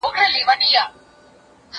زه مخکي ليکنه کړې وه!.